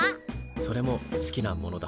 それも好きなものだ。